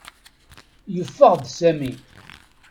Yeffeɣ-d Sami.